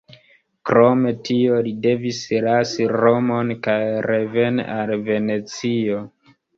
Krom tio, li devis lasi Romon kaj reveni al Venecio.